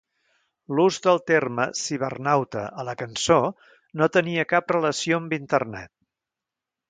L'ús del terme cibernauta a la cançó no tenia cap relació amb Internet.